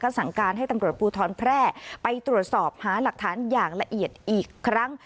สั่งการให้ตำรวจภูทรแพร่ไปตรวจสอบหาหลักฐานอย่างละเอียดอีกครั้ง